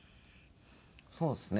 そうですね。